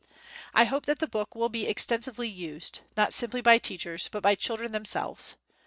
I hope that the book will be extensively used, not simply by teachers, but by children themselves.